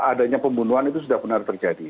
adanya pembunuhan itu sudah benar terjadi